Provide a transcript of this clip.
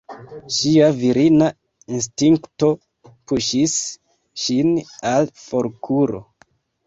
Ŝia virina instinkto puŝis ŝin al forkuro.